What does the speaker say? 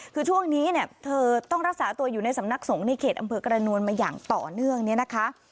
คือช่วงนี้เนี่ยเธอต้องรักษาตัวอยู่ในสำนักสงฆ์ในเขตอำเภอกระนวลมาอย่างต่อเนื่องเนี่ยนะคะ